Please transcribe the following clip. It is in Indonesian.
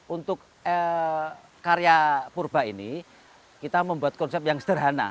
untuk karya purba ini kita membuat konsep yang sederhana